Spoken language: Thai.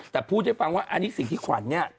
แต่พูดให้ฟังว่าอันนี้สิ่งที่ขวัญเนี่ย